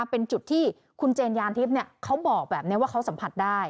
เป็นจุดที่คุณเจนยานทิพย์เขาบอกแบบนี้ว่าเขาสัมผัสได้